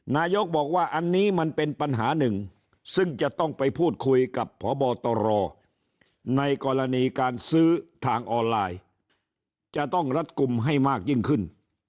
นายกบอกว่าอันนี้มันเป็นปัญหาหนึ่งซึ่งจะต้องไปพูดคุยกับพบตรในกรณีการซื้อทางออนไลน์จะต้องรัดกลุ่มให้มากยิ่งขึ้น